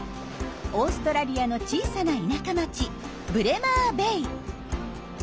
オーストラリアの小さな田舎町ブレマーベイ。